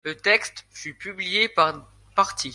Le texte fut publié par parties.